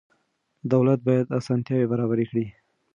دولت باید اسانتیا برابره کړي.